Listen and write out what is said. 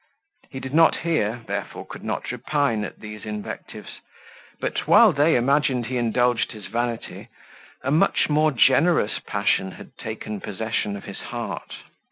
He did not hear, therefore could not repine at these invectives; but while they imagined he indulged his vanity, a much more generous passion had taken possession of his heart.